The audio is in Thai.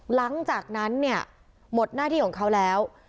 หลังจากนั้นเนี่ยหมดหน้าที่ของเขาแล้ว